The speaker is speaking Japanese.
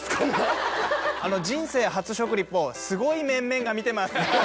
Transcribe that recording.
人生初食リポすごい面々が見てます。